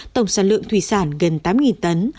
tổng sản lượng thủy sản gần tám tấn